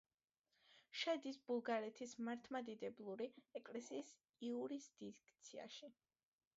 შედის ბულგარეთის მართლმადიდებლური ეკლესიის იურისდიქციაში.